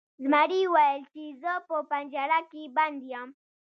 زمري وویل چې زه په پنجره کې بند یم.